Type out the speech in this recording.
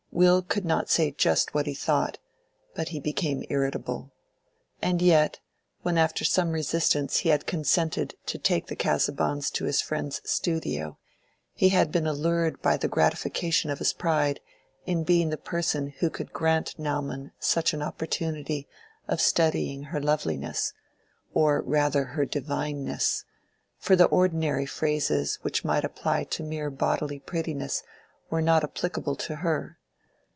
Will could not say just what he thought, but he became irritable. And yet, when after some resistance he had consented to take the Casaubons to his friend's studio, he had been allured by the gratification of his pride in being the person who could grant Naumann such an opportunity of studying her loveliness—or rather her divineness, for the ordinary phrases which might apply to mere bodily prettiness were not applicable to her.